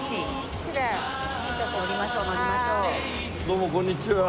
どうもこんにちは。